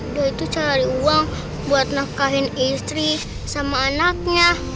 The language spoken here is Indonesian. dia itu cari uang buat nafkahin istri sama anaknya